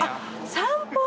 散歩？